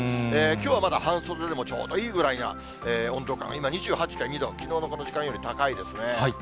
きょうはまだ半袖でもちょうどいいぐらいな温度感、今、２８．２度、きのうのこの時間より高いですね。